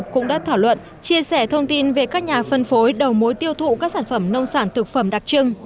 chương trình về các nhà phân phối đầu mối tiêu thụ các sản phẩm nông sản thực phẩm đặc trưng